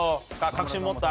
確信持った？